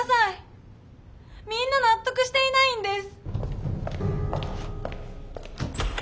みんななっとくしていないんです！